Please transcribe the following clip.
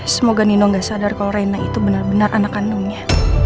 semoga nino gak sadar kalau reina itu benar benar anak kandungnya